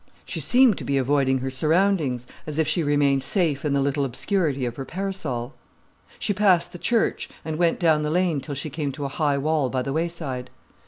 She seemed to be avoiding her surroundings, as if she remained safe in the little obscurity of her parasol. She passed the church, and went down the lane till she came to a high wall by the wayside.